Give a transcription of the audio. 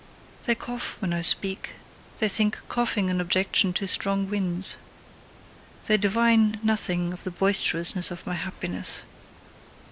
They cough when I speak: they think coughing an objection to strong winds they divine nothing of the boisterousness of my happiness!